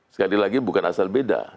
sekali lagi bukan asal beda